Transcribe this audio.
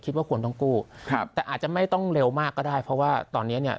คิดว่าควรต้องกู้ครับแต่อาจจะไม่ต้องเร็วมากก็ได้เพราะว่าตอนเนี้ย